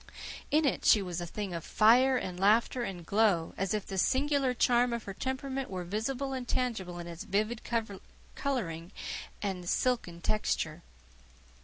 In it she was a thing of fire and laughter and glow, as if the singular charm of her temperament were visible and tangible in its vivid colouring and silken texture.